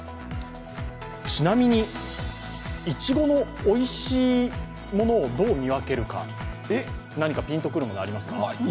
ちなみに、いちごのおいしいものをどう見分けるか、何かピンと来るものはありますか？